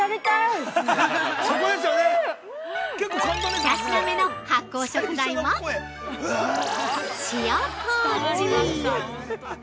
◆２品目の発酵食材は、塩こうじ。